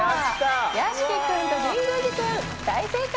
屋敷君と神宮寺君大正解です。